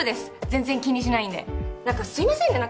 全然気にしないんで何かすいませんね